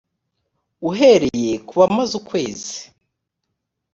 uhereye ku bamaze ukwezi